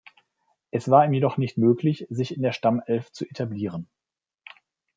Es war ihm jedoch nicht möglich, sich in der Stammelf zu etablieren.